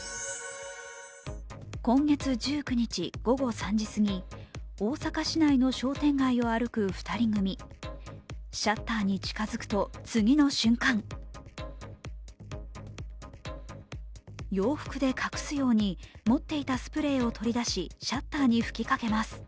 今月１９日午後３時過ぎ、大阪市内の商店街を歩く２人組、シャッターに近づくと、次の瞬間洋服で隠すように持っていたスプレーを取り出し、シャッターに吹きかけます。